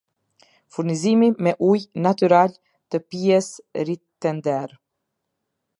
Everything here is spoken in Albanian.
Furnizimi me ujë natyral të pijesritender